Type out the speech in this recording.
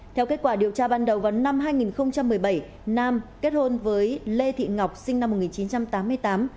theo kết quả điều tra ban đầu vào năm hai nghìn một mươi bảy nam kết hôn với lê thị ngọc sinh năm một nghìn chín trăm tám mươi tám